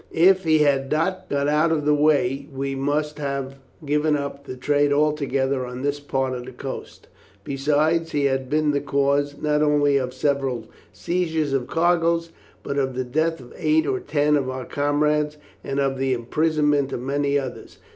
"If he had not been got out of the way we must have given up the trade altogether on this part of the coast; besides, he has been the cause, not only of several seizures of cargoes, but of the death of eight or ten of our comrades and of the imprisonment of many others.